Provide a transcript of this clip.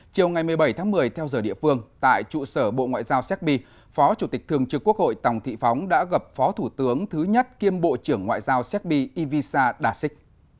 chiều ngày một mươi bảy tháng một mươi theo giờ địa phương tại trụ sở bộ ngoại giao séc bi phó chủ tịch thường trực quốc hội tòng thị phóng đã gặp phó thủ tướng thứ nhất kiêm bộ trưởng ngoại giao séc bi ivsa dasik